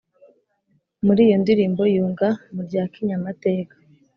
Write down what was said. muri iyo ndirimbo yunga mu rya kinyamateka